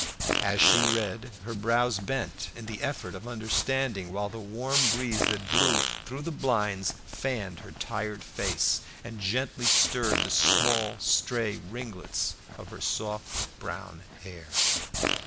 As she read, her brows bent in the effort of understanding, while the warm breeze that blew through the blinds fanned her tired face and gently stirred the small stray ringlets of her soft brown hair.